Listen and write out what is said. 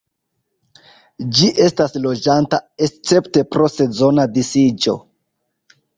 Ĝi estas loĝanta escepte pro sezona disiĝo.